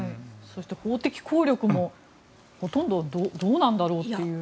そして法的効力もほとんどどうなんだろうという。